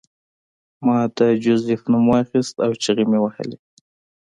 ما د جوزف نوم واخیست او چیغې مې وهلې